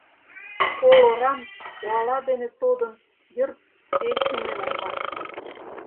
Кол орам, уала дене тодын, йыр печыме улмаш.